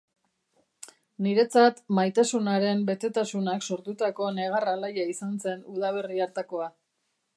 Niretzat, maitasunaren betetasunak sortutako negar alaia izan zen udaberri hartakoa.